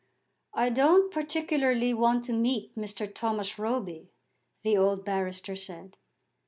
"I don't particularly want to meet Mr. Thomas Roby," the old barrister said.